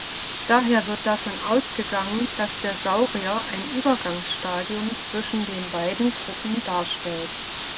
Daher wird davon ausgegangen, dass der Saurier ein Übergangsstadium zwischen den beiden Gruppen darstellt.